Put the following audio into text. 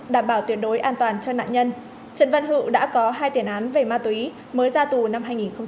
đảm bảo tuyệt đối an toàn cho nạn nhân trần văn hữu đã có hai tiền án về ma túy mới ra tù năm hai nghìn một mươi ba